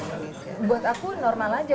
buat aku normal aja